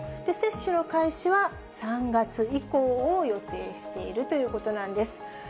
接種の開始は３月以降を予定しているということなんです。